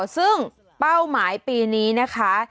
ซึ่งเป้าหมายปีนี้นะคะ